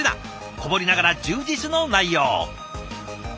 小ぶりながら充実の内容。